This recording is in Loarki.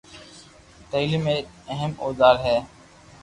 تعليم هڪ اهم اوزار آهي